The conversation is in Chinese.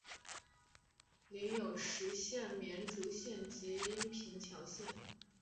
领有实县绵竹县及阴平侨县。